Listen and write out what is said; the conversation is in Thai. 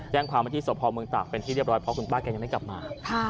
แจ้งความว่าที่สพเมืองตากเป็นที่เรียบร้อยเพราะคุณป้าแกยังไม่กลับมา